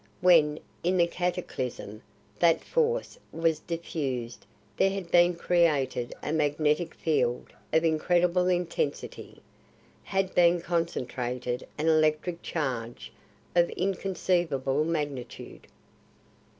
When, in the cataclysm, that force was diffused there had been created a magnetic field of incredible intensity; had been concentrated an electric charge of inconceivable magnitude.